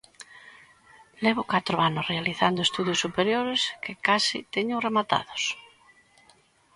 Levo catro anos realizando estudos superiores, que case teño rematados.